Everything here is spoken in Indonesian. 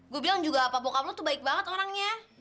gue bilang juga apa bokap lo tuh baik banget orangnya